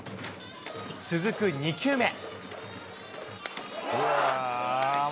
続く２球目。